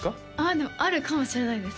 でもあるかもしれないです